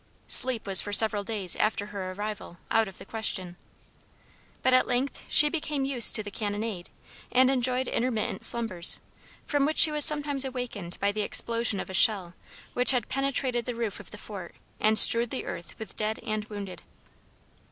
Sleep was for several days after her arrival out of the question. But at length she became used to the cannonade and enjoyed intermittent slumbers, from which she was sometimes awakened by the explosion of a shell which had penetrated the roof of the fort and strewed the earth with dead and wounded.